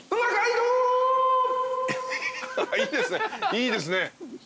いいですね。